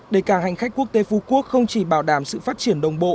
để cảng hành khách quốc tế phú quốc không chỉ bảo đảm sự phát triển đồng bộ